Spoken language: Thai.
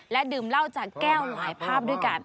ดื่มเหล้าจากแก้วหลายภาพด้วยกัน